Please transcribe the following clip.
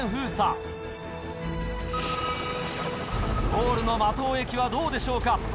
ゴールの間藤駅はどうでしょうか？